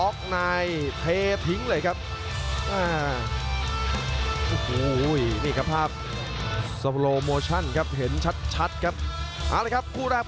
คือน้ำกระจายครับ